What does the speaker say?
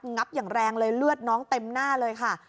งับอย่างแรงเลยเลือดน้องเต็มหน้าเลยค่ะ